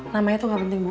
namanya tuh gak penting ibu